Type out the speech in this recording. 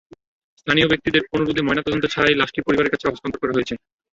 স্থানীয় ব্যক্তিদের অনুরোধে ময়নাতদন্ত ছাড়াই লাশটি পরিবারের কাছে হস্তান্তর করা হয়েছে।